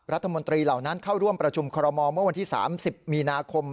เหล่านั้นเข้าร่วมประชุมคอรมอลเมื่อวันที่๓๐มีนาคม